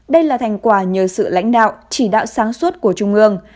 đây là thành quả nhờ sự lãnh đạo chỉ đạo sáng suốt của trung ương